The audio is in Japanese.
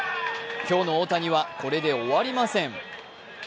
今日の大谷はこれで終わりません。